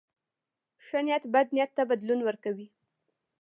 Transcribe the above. ښه نیت بد نیت ته بدلون ورکوي.